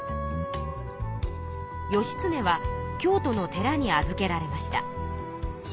義経は京都の寺に預けられました。